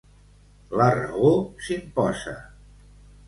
La raó s'imposa.